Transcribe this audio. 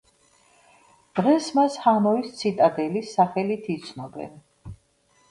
დღეს მას ჰანოის ციტადელის სახელით იცნობენ.